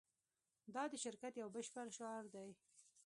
دا د شرکت یو بشپړ شعار دی